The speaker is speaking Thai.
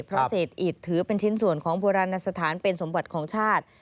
เพราะเศษอิดถือเป็นชิ้นส่วนของโบราณสถานเป็นสมบัติของชาติ